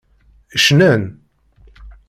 Cnan.